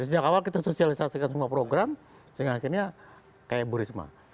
sejak awal kita sosialisasikan semua program sehingga akhirnya kayak bu risma